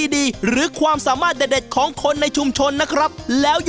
ดีหรือความสามารถเด็ดของคนในชุมชนนะครับแล้วอยู่